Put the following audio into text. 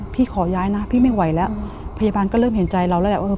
ขอย้ายนะพี่ไม่ไหวแล้วพยาบาลก็เริ่มเห็นใจเราแล้วแหละว่า